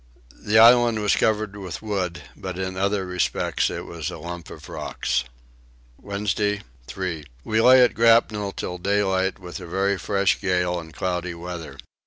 The island was covered with wood, but in other respects it was a lump of rocks. Wednesday 3. We lay at a grapnel till daylight with a very fresh gale and cloudy weather.